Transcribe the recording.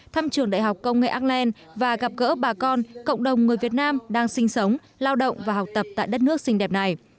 thăm trường đại học công nghệ auckland và gặp gỡ bà con cộng đồng người việt nam đang sinh sống lao động và học tập tại đất nước xinh đẹp này